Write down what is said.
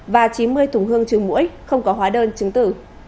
và chín mươi thùng hương chứa mũi không có hóa đơn chứng tử